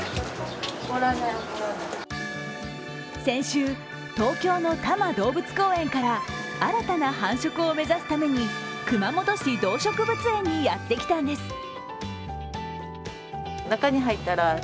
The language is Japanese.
先週、東京の多摩動物公園から新たな繁殖を目指すために熊本市動植物園にやってきたんです。